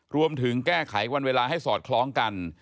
รวมถึงแก้ไขวันเวลาให้สอดคล้องกัน